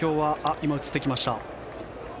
今、映ってきました。